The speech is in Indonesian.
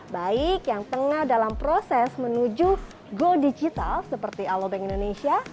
baik yang tengah dalam proses menuju go digital seperti alobank indonesia